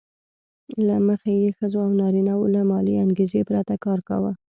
له مخې یې ښځو او نارینه وو له مالي انګېزې پرته کار کاوه